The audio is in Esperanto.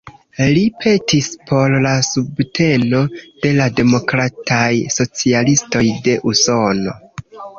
Li petis por la subteno de la Demokrataj Socialistoj de Usono.